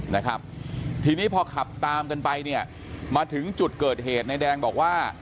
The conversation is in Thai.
นะครับทีนี้พอขับตามกันไปเนี่ยมาถึงจุดเกิดเหตุนายแดงบอกว่า